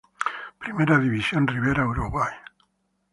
Primera Division Rivera Uruguay